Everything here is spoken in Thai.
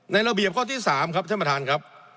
ระเบียบข้อที่๓ครับท่านประธานครับ